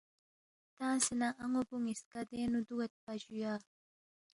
تنگسے نہ ان٘و بُو نِ٘یسکا دینگ نُو دُوگیدپا جُویا